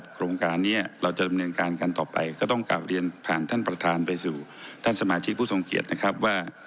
โครงการนี้เราจะดำเนินการกันต่อไปก็ต้องกลับเรียนผ่านท่านประธานไปสู่ท่านสมาชิกผู้ทรงเกียจนะครับว่า